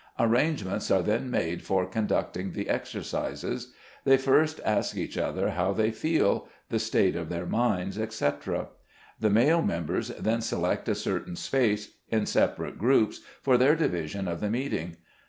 Arrangements are then made for conducting the exercises. They first ask each other how they feel, RELIGIOUS INSTRUCTION. 203 the state of their minds, etc. The male members then select a certain space, in separate groups, for their division of the meeting.